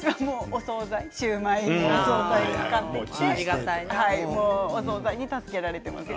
私はお総菜シューマイを買ってきてお総菜に助けられています。